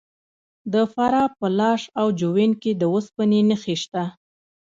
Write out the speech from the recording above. د فراه په لاش او جوین کې د وسپنې نښې شته.